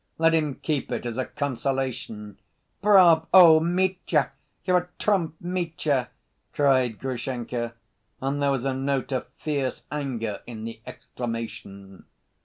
Let him keep it as a consolation." "Bravo, Mitya! You're a trump, Mitya!" cried Grushenka, and there was a note of fierce anger in the exclamation.